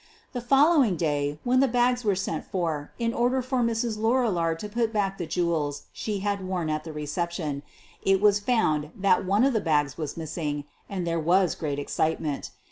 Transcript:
The following day, when the bags were sent for in order for Mrs. Lorillard to put back the jewels she had worn at the reception, it was found that one of the bags was missmg and there was great excite ment.